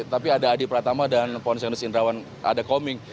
tapi ada adi pratama dan ponsenus indrawan ada coming